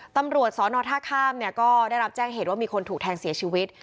ตำรวจสอนอท่าข้ามเนี่ยก็ได้รับแจ้งเหตุว่ามีคนถูกแทงเสียชีวิต